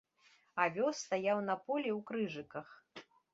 Авёс стаяў на полі ў крыжыках.